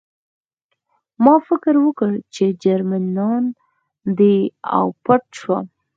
ما فکر وکړ چې جرمنان دي او پټ شوم